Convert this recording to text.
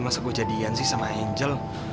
masa gue jadi ian sih sama angel